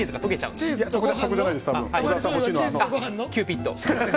キューピッド。